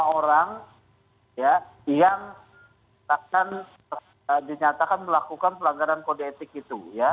dua puluh lima orang yang akan dinyatakan melakukan pelanggaran kode etik itu